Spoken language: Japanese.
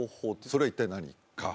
それは一体何か？